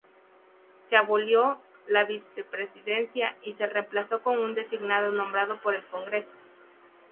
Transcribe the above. Se abolió la Vicepresidencia y se reemplazó con un designado nombrado por el Congreso.